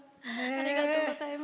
ありがとうございます。